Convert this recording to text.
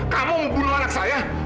kamu mau bunuh anak saya